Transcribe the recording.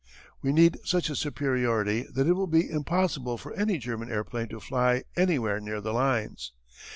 "We need such a superiority that it will be impossible for any German airplane to fly anywhere near the lines.